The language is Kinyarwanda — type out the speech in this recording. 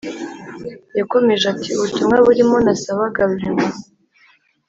Yakomeje ati “Ubutumwa burimo nasabaga Rurema